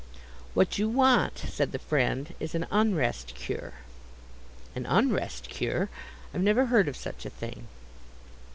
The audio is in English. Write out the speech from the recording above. "What you want," said the friend, "is an Unrest cure." "An Unrest cure? I've never heard of such a thing."